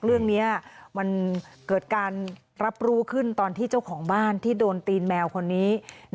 เรื่องนี้มันเกิดการรับรู้ขึ้นตอนที่เจ้าของบ้านที่โดนตีนแมวคนนี้